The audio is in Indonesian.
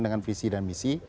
dengan visi dan misi